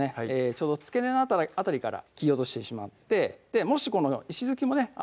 ちょうど付け根の辺りから切り落としてしまってもしこの石突きもね